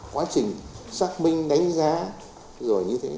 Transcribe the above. quá trình xác minh đánh giá rồi như thế